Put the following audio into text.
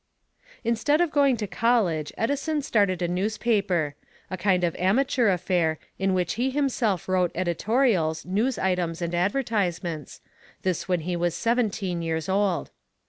Instead of going to college Edison started a newspaper a kind of amateur affair, in which he himself wrote editorials, news items and advertisements this when he was seventeen years old.